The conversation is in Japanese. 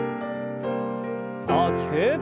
大きく。